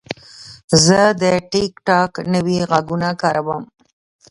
زه د ټک ټاک نوي غږونه کاروم.